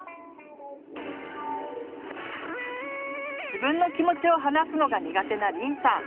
自分の気持ちを話すのが苦手なりんさん。